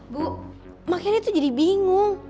bu makanya dia tuh jadi bingung